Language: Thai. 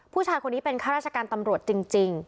ผู้ชายคนนี้เป็นข้าราชการตำรวจจริง